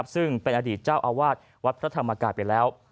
ซึ่งเป็นอดีตเจ้าอาวาสวัดพระธรรมกายไปแล้ว